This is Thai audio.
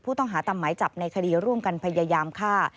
ผู้ต้องหาตำไหมจับในคดีร่วมกันพยายามฆ่า